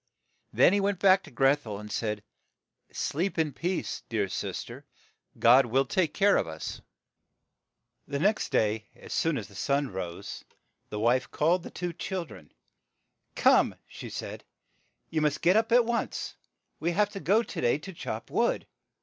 Then he went back to Greth el, and said, "Sleep in peace, dear sister, God will take care of us." The next day, as soon as the sun rose, the wife called the HANSEL PICKING UP THE STONES HANSEL AND GRETHEL two chil dren. "Come," she said, "you must get up at once. We have to go to day to chop wood."